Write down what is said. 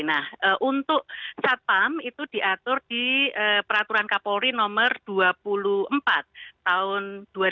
nah untuk satpam itu diatur di peraturan kapolri nomor dua puluh empat tahun dua ribu dua puluh